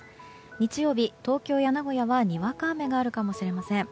日曜日、東京や名古屋はにわか雨があるかもしれません。